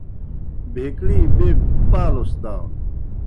بہکڑی بیک پالُس دانوْ۔